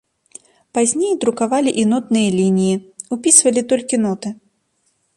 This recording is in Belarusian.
Пазней друкавалі і нотныя лініі, упісвалі толькі ноты.